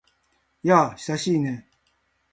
やあ、久しいね。